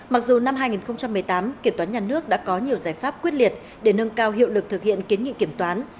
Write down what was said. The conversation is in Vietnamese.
mặc dù năm hai nghìn một mươi tám kiểm toán nhà nước đã có nhiều giải pháp quyết liệt để nâng cao hiệu lực thực hiện kiến nghị kiểm toán